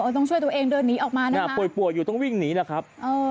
ต้องช่วยตัวเองเดินหนีออกมานะป่วยอยู่ต้องวิ่งหนีแหละครับ